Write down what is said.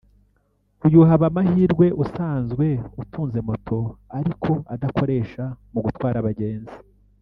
uyu Habamahirwe usanzwe utunze moto ariko adakoresha mu gutwara abagenzi